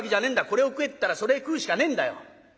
これを食えったらそれ食うしかねえんだよ。